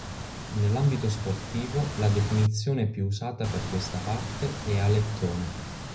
Nell'ambito sportivo la definizione più usata per questa parte è alettone.